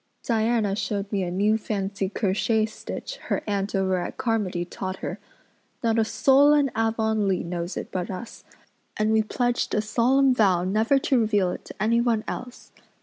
Diana showed me a new fancy crochet stitch her aunt over at Carmody taught her. Not a soul in Avonlea knows it but us, and we pledged a solemn vow never to reveal it to anyone else.